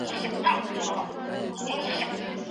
د لیري پرتو دوستانو لپاره د خط ارزښت ډیر وي.